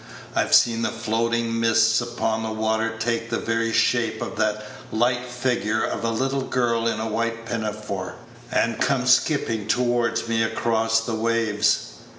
I've seen the floating mists upon the water take the very shape of that light figure of a little girl in a white pinafore, and come skipping toward me across the waves.